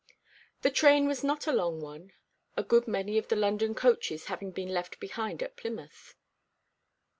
The train was not a long one, a good many of the London coaches having been left behind at Plymouth.